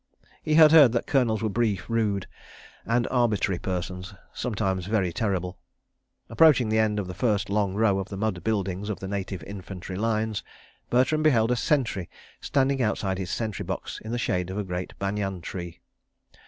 He had heard that Colonels were brief, rude, and arbitrary persons, sometimes very terrible. ... Approaching the end of the first long row of the mud buildings of the Native Infantry Lines, Bertram beheld a sentry standing outside his sentry box, in the shade of a great banyan tree.